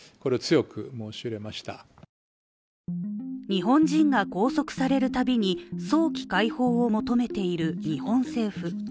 日本人が拘束されるたびに早期解放を求めている日本政府。